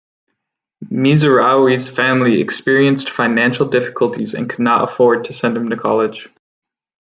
Misuari's family experienced financial difficulties and could not afford to send him to college.